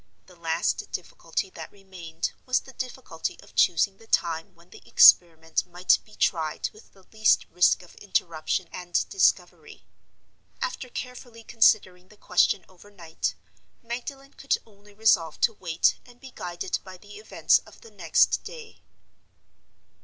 The last difficulty that remained was the difficulty of choosing the time when the experiment might be tried with the least risk of interruption and discovery. After carefully considering the question overnight, Magdalen could only resolve to wait and be guided by the events of the next day.